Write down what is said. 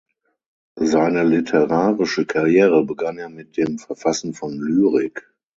Seine literarische Karriere begann er mit dem Verfassen von Lyrik.